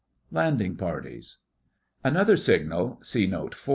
LANDING PARTIES Another signal (see Note IV.)